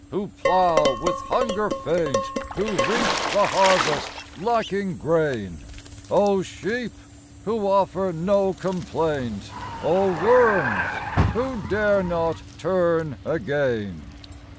who plough, with hunger faint; Who reap the harvest, lacking grain; Oh Sheep! who offer no complaint; Oh Worms! who dare not turn again.